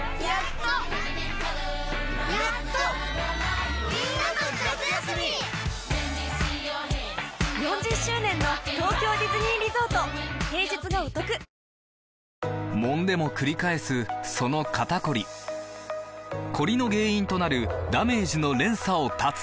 最高の渇きにＤＲＹもんでもくり返すその肩こりコリの原因となるダメージの連鎖を断つ！